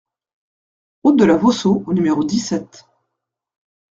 Route de la Vauceau au numéro dix-sept